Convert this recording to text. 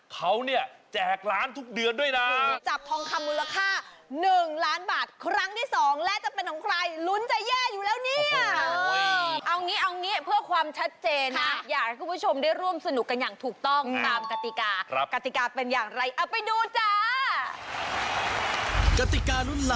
เขาเนี่ยแจกล้านทุกเดือนด้วยนะจับทองคำมูลค่า๑ล้านบาทครั้งที่๒และจะเป็นของใครลุ้นใจแย่อยู่แล้วเนี่ย